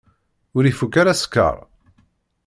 Ur ifukk ara sskeṛ?